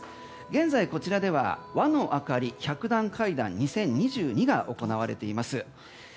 現在、こちらでは和のあかり×百段階段２０２２が行われています。